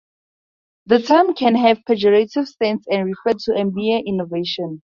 The term can have pejorative sense and refer to a mere "innovation".